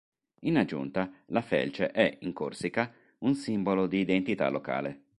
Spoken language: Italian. In aggiunta, la felce è in Corsica un simbolo di identità locale.